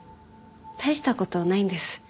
大した事ないんです。